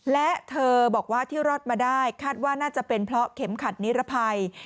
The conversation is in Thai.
และเธอบอกว่าที่รอดมาได้คาดว่าน่าจะเป็นเพราะเข็มขัดนิรภัย